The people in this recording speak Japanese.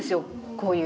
こういう。